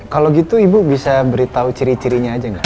kalau begitu ibu bisa beritahu ciri cirinya saja tidak